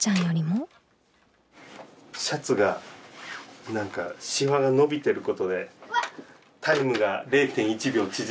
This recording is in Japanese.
シャツが何かシワが伸びてることでタイムが０．１秒縮めば。